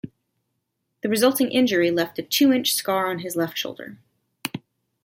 The resulting injury left a two-inch scar on his left shoulder.